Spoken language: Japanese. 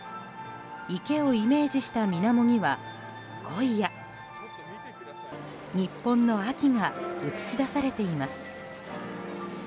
池をイメージした水面にはコイや日本の秋が映し出されています。